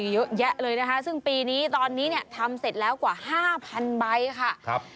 เยอะแยะเลยนะคะซึ่งปีนี้ตอนนี้เนี่ยทำเสร็จแล้วกว่า๕๐๐๐ใบค่ะ